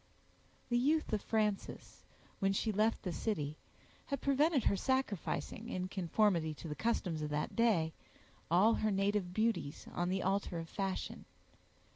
The youth of Frances, when she left the city, had prevented her sacrificing, in conformity to the customs of that day, all her native beauties on the altar of fashion.